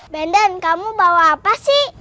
bandan kamu bawa apa sih